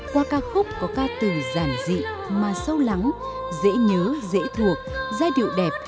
qua ca khúc có ca từ giản dị mà sâu lắng dễ nhớ dễ thuộc giai điệu đẹp